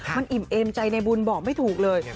มันอิ่มเอมใจในบุญบอกไม่ถูกเลย